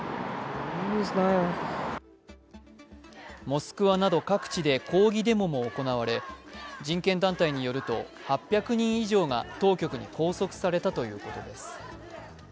モスクワなど各地で抗議デモも行われ人権団体によると８００人以上が当局に拘束されたということです。